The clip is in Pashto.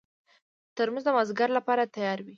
ترموز د مازدیګر لپاره تیار وي.